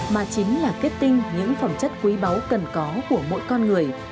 mà chính là kết tinh những phẩm chất quý báu cần có của mỗi con người